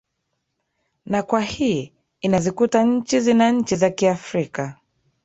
na kwa hii inazikuta nchi zina nchi za kiafrika